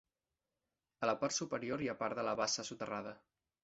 A la part superior hi ha part de la bassa soterrada.